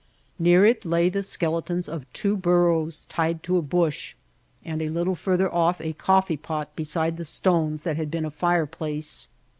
Near it lay the skele tons of two burros tied to a bush and a little fur ther off a coffee pot beside the stones that had been a fireplace.